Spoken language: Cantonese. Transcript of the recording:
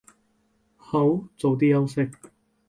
好，早啲休息